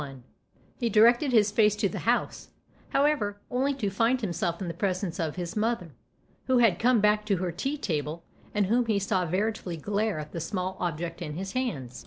XXI HE directed his face to the house, however, only to find himself in the presence of his mother, who had come back to her tea table and whom he saw veri tably glare at the small object in his hands.